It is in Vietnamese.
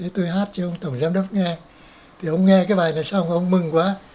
tôi hát cho ông tổng giám đốc nghe thì ông nghe cái bài là xong ông mừng quá